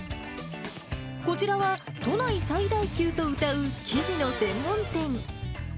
こちらは都内最大級とうたう生地の専門店。